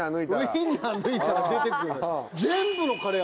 ウインナー抜いたら出てくる。